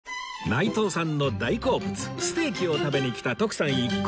内藤さんの大好物ステーキを食べに来た徳さん一行